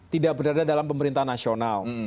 tidak berada dalam pemerintahan nasional